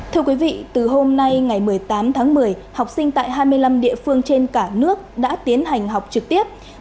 thưa quý vị từ hôm nay ngày một mươi tám tháng một mươi học sinh tại hai mươi năm địa phương trên cả nước đã tiến hành học trực tiếp